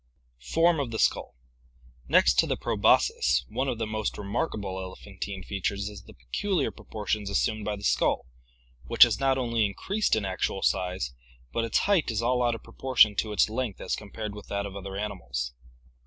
Form of the Skull. — Next to the proboscis, one of the most re markable elephantine features is the peculiar proportions assumed by the skull, which has not only increased in actual size, but its height is all out of proportion to its length as compared with that of other animals.